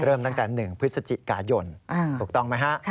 เริ่มตั้งแต่๑พฤศจิกายนถูกต้องไหมฮะ